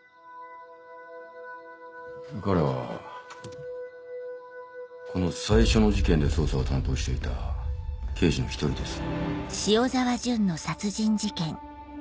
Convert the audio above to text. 彼はこの最初の事件で捜査を担当していた刑事の１人です。